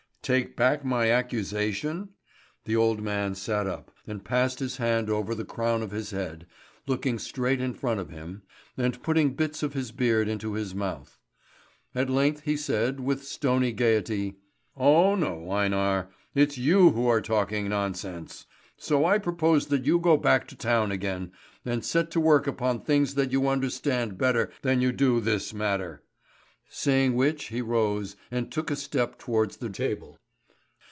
"Take back my accusation?" The old man sat up, and passed his hand over the crown of his head, looking straight in front of him, and putting bits of his beard into his mouth. At length he said, with stony gaiety: "Oh no, Einar! It's you who are talking nonsense. So I propose that you go back to town again, and set to work upon things that you understand better than you do this matter." Saying which he rose, and took a step towards the table.